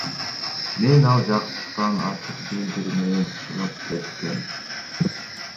Мен ал жактан ачык билдирүү менен чыгып кеткем.